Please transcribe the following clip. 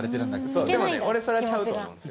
そうでもね俺それはちゃうと思うんですよ